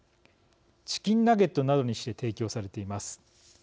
チキンナゲットなどにして提供されています。